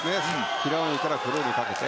平泳ぎからクロールにかけて。